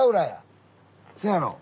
せやろ？